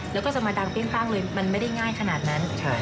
แล้วก็จะมาดังเปรี้ยงปั้งเลยมันไม่ได้ง่ายขนาดนั้น